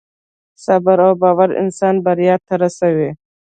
صبر او باور انسان بریا ته رسوي.